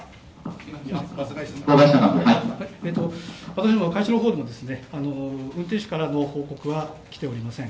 私ども会社の方でも運転手からの報告は来ておりません。